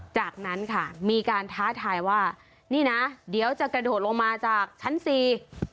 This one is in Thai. จากนั้นค่ะมีการท้าทายว่านี่นะเดี๋ยวจะกระโดดลงมาจากชั้นสี่